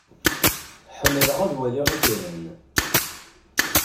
Ḥemmleɣ ad waliɣ itran.